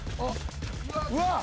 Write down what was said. うわっ！